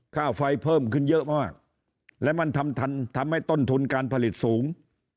ค่าไฟเพิ่มขึ้นเยอะมากและมันทำทันทำให้ต้นทุนการผลิตสูง